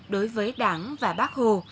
đối với đảng và bác hồ